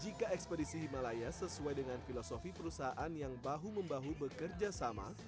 jika ekspedisi himalaya sesuai dengan filosofi perusahaan yang bahu membahu bekerja sama